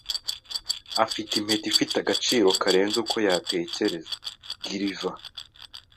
Afite impeta ifite agaciro karenze uko yatekereza. (Gulliver)